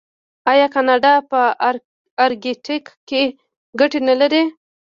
آیا کاناډا په ارکټیک کې ګټې نلري؟